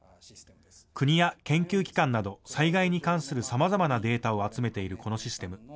国や研究機関など災害に関するさまざまなデータを集めているこのシステム。